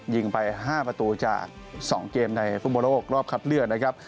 ยิงไป๕ประตูจาก๒เกมในฟุตบอลโลกรอบคัดเลือกนะครับ